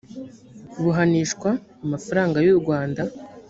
buhanishwa amafaranga y u rwanda